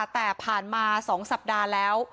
แต่ผ่านมา๒สัปดาห์แล้ว